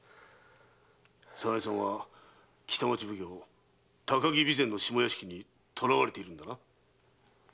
早苗さんは北町奉行・高木備前の下屋敷に捕らわれているんだな？